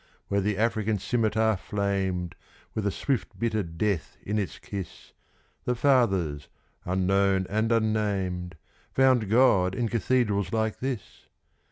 Where the African scimitar flamed, with a swift, bitter death in its kiss, The fathers, unknown and unnamed, found God in cathedrals like this!